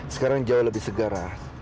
sekarang jauh lebih segar